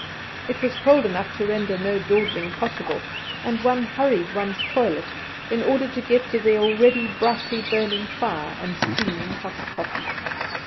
It was cold enough to render no dawdling possible, and one hurried one's toilet in order to get to the already brightly burning fire and steaming hot coffee.